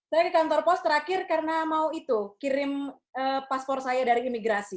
saya ke kantor pos terakhir karena mau itu kirim paspor saya dari imigrasi